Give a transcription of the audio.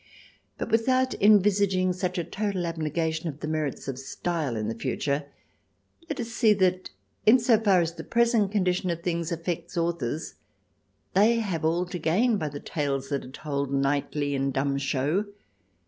But without envisaging such a total abnegation of the merits of style in the future, let us see that in so far as the present condition of things affects authors they have all to gain by the tales that are told nightly in dumb show.